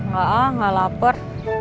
gak ah gak lapar